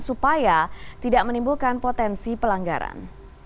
supaya tidak menimbulkan potensi pelanggaran